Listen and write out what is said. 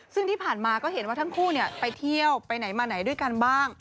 ซึ่งที่ผ่านมาก็เห็นว่าทั้งคู่ไปเที่ยวไปไหนมาไหนด้วยกันบ้าง